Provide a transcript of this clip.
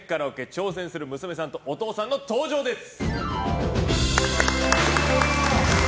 挑戦する娘さんとお父さんの登場です。